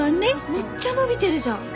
めっちゃ伸びてるじゃん。